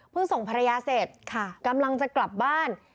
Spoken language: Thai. พึ่งส่งภรรยาเศษค่ะกำลังจะกลับบ้าน